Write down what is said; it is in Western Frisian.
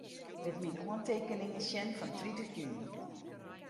Lit myn oantekeningen sjen fan tritich juny.